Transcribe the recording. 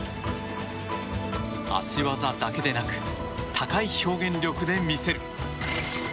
脚技だけでなく高い表現力で見せる。